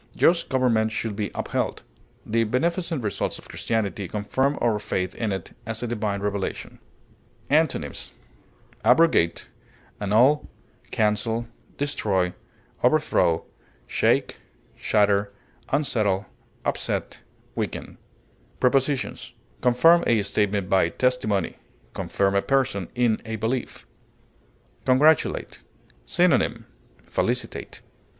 Just government should be upheld. The beneficent results of Christianity confirm our faith in it as a divine revelation. Antonyms: abrogate, cancel, overthrow, shatter, upset, annul, destroy, shake, unsettle, weaken. Prepositions: Confirm a statement by testimony; confirm a person in a belief. CONGRATULATE. Synonym: felicitate.